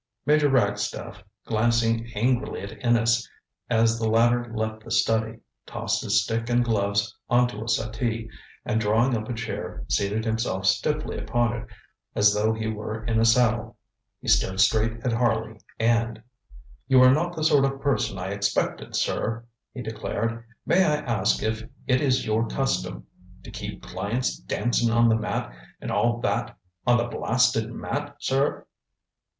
ŌĆØ Major Ragstaff, glancing angrily at Innes as the latter left the study, tossed his stick and gloves on to a settee, and drawing up a chair seated himself stiffly upon it as though he were in a saddle. He stared straight at Harley, and: ŌĆ£You are not the sort of person I expected, sir, ŌĆØ he declared. ŌĆ£May I ask if it is your custom to keep clients dancin' on the mat and all that on the blasted mat, sir?